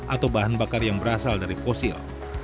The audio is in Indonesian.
atau bahan bakar yang berasal dari fosil